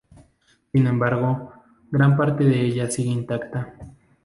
Sin embargo, gran parte de ella sigue intacta.